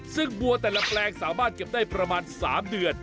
ซึ่งบัวแต่ละแปลงสามารถเก็บได้ประมาณ๓เดือน